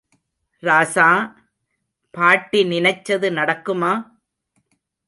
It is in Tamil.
ராசா... பாட்டி நினைச்சது நடக்குமா?